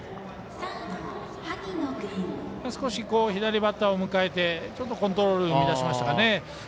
少し左バッターを迎えてちょっとコントロール乱しましたかね。